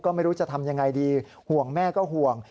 ก็ไม่รู้จะทำยังไงดีห่วงแม่ก็ห่วง